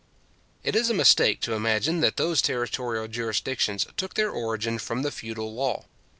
It is a mistake to imagine that those territorial jurisdictions took their origin from the feudal law.